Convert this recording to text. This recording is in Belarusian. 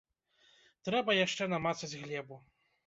Трэба яшчэ намацаць глебу.